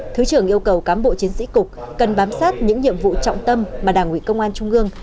thứ trưởng yêu cầu cán bộ chiến sĩ cục cần bám sát những nhiệm vụ trọng tâm mà đảng ủy công an trung ương